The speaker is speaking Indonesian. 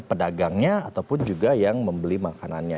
pedagangnya ataupun juga yang membeli makanannya